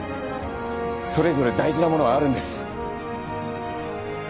それぞれ大事なものはあるんです。